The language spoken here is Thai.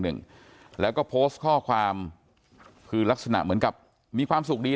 หนึ่งแล้วก็โพสต์ข้อความคือลักษณะเหมือนกับมีความสุขดี